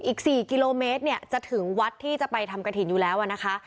อีก๔กิโลเมตรเนี่ยจะถึงวัดที่จะไปทำกระถิ่นอยู่แล้วนะคะ